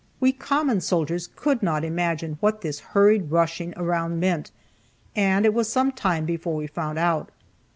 We common soldiers could not imagine what this hurried rushing around meant, and it was some time before we found out.